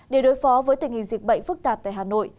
để đối phó với tình hình dịch bệnh phức tạp tại hà nội